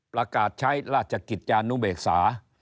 ประกาศใช้ราชกิจจานุเบกษา